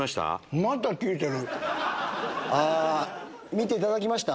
見ていただきました？